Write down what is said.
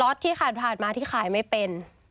ร้อนที่ขาดผ่านมาที่ขายไม่เป็น